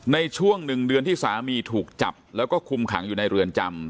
ในช่วง๑เดือนที่สามีถูกจับแล้วก็คุมขังอยู่ในเรือนจำ